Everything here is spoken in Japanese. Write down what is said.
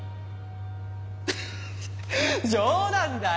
フフッ冗談だよ！